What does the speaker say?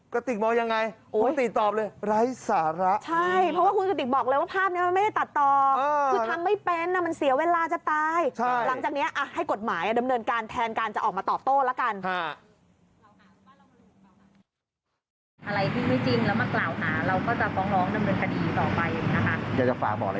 กระติกมองอย่างไรคุณกระติกตอบเลยไร้สาระ